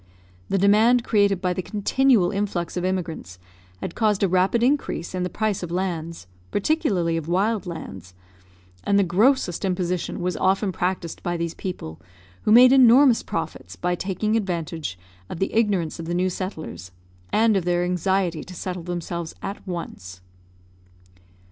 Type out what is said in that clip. The demand created by the continual influx of immigrants had caused a rapid increase in the price of lands, particularly of wild lands, and the grossest imposition was often practiced by these people, who made enormous profits by taking advantage of the ignorance of the new settlers and of their anxiety to settle themselves at once.